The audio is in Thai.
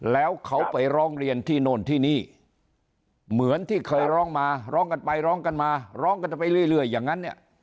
แล้วเขาไปร้องเรียนที่โน่นที่นี่เหมือนที่เคยร้องมาร้องกันไปร้องกันมาร้องกันไปเรื่อยอย่างนั้นเนี่ย